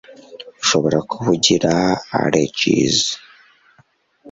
Ushobora kuba ugira allergies